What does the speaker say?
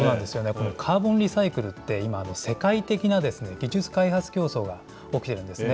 このカーボンリサイクルって、今、世界的な技術開発競争が起きているんですね。